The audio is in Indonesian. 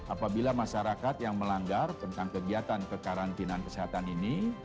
apabila masyarakat yang melanggar tentang kegiatan kekarantinaan kesehatan ini